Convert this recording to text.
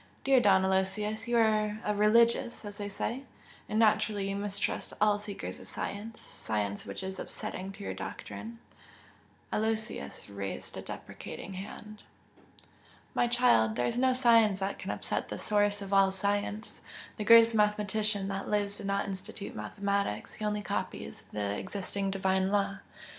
"Dear Don Aloysius, you are a 'religious' as they say and naturally you mistrust all seekers of science science which is upsetting to your doctrine." Aloysius raised a deprecating hand. "My child, there is no science that can upset the Source of all science! The greatest mathematician that lives did not institute mathematics he only copies the existing Divine law."